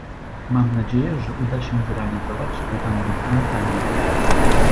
Mam nadzieję, że uda się zrealizować te ambitne zdania